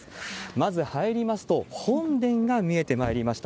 まず入りますと、本殿が見えてまいりました。